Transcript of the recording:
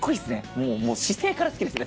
姿勢から好きですね。